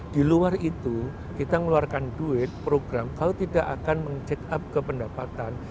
di luar itu kita ngeluarkan duit program kalau tidak akan mengecek up kependapatan